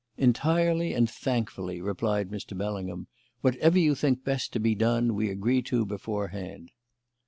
"Entirely and thankfully," replied Mr. Bellingham. "Whatever you think best to be done we agree to beforehand."